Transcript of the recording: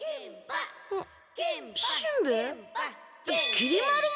きり丸も？